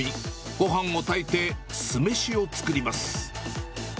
ごはんを炊いて、酢飯を作ります。